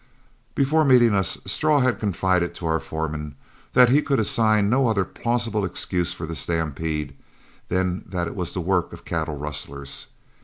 Before meeting us, Straw had confided to our foreman that he could assign no other plausible excuse for the stampede than that it was the work of cattle rustlers.